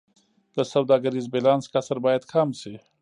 د سوداګریز بیلانس کسر باید کم شي